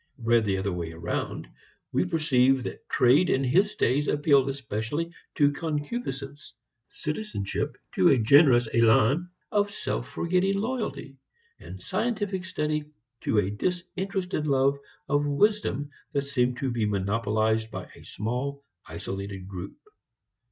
Read the other way around, we perceive that trade in his days appealed especially to concupiscence, citizenship to a generous élan of self forgetting loyalty, and scientific study to a disinterested love of wisdom that seemed to be monopolized by a small isolated group.